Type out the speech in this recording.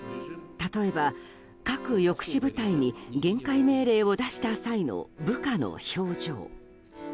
例えば、核抑止部隊に厳戒命令を出した際の部下の表情。